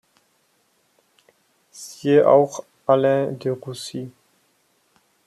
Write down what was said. Siehe auch: Alain de Roucy